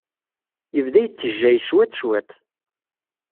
Yebda yettejjey cwiṭ, cwiṭ.